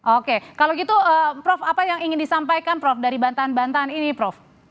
oke kalau gitu prof apa yang ingin disampaikan prof dari bantahan bantahan ini prof